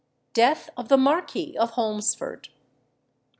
DEATH OF THE MARQUIS OF HOLMESFORD.